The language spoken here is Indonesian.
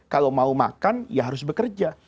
kalau mau makan ya harus bekerja